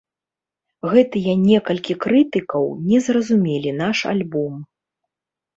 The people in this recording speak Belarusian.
Гэтыя некалькі крытыкаў не зразумелі наш альбом.